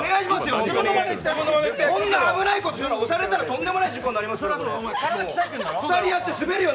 こんな危ないこと、押されたらとんでもない事故になりますよ。